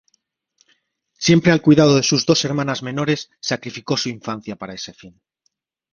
Siempre al cuidado de sus dos hermanas menores, sacrificó su infancia para ese fin.